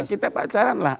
kita pacaran lah